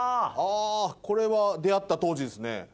これは出会った当時ですね。